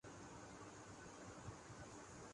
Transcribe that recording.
محسوس کرتا ہوں کہ میں چیزوں سے نبرد آزما ہونے کے قابل نہی